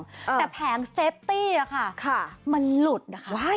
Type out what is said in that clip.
แต่แผงเซฟตี้อะค่ะมันหลุดนะคะ